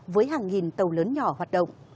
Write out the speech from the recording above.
với hàng nghìn tàu lớn nông nghiệp